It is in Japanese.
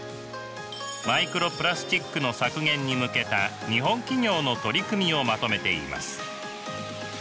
マイクロプラスチックの削減に向けた日本企業の取り組みをまとめています。